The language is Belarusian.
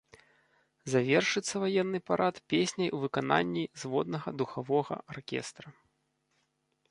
Завершыцца ваенны парад песняй у выкананні зводнага духавога аркестра.